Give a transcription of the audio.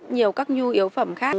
nhiều các nhu yếu phẩm